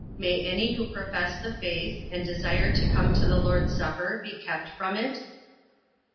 May any who profess the faith, and desire to come to the Lord's supper, be kept from it?